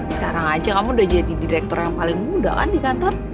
sekarang aja kamu udah jadi direktur yang paling muda kan di kantor